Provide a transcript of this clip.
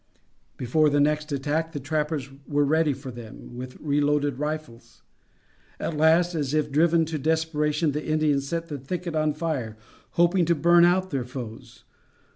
Before the next attack the trappers were ready for them with reloaded rifles. At last, as if driven to desperation, the Indians set the thicket on fire, hoping to burn out their foes.